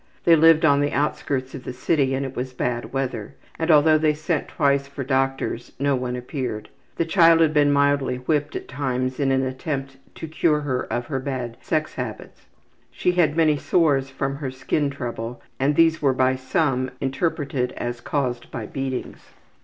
They lived on the outskirts of the city and it was bad weather, and although they sent twice for doctors, no one appeared. The child had been mildly whipped at times in an attempt to cure her of her bad sex habits. She had many sores from her skin trouble and these were by some interpreted as caused by beatings.